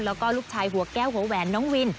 แล้วก็ลูกชายหัวแก้วหัวแหวนน้องวิน